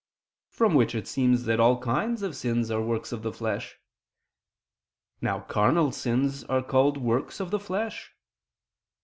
from which it seems that all kinds of sins are works of the flesh. Now carnal sins are called works of the flesh.